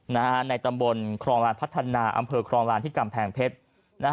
ในตำบลครองลานพัฒนาอำเภอครองลานที่กำแพงเพชร